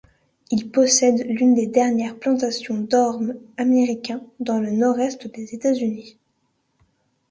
Il possède l'une des dernières plantations d'ormes américains dans le nord-est des États-Unis.